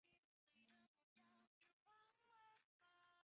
后来电子衍射的结果也证实了这个预言。